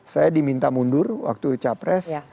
saya diminta mundur waktu capres